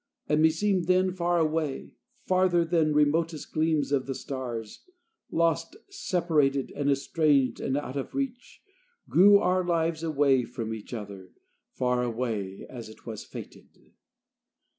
And meseemed then, far away Farther than remotest gleams Of the stars lost, separated, And estranged and out of reach, Grew our lives away from each, Far away as it was fated.